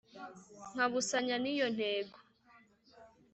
nkabusanya n’iyo ntego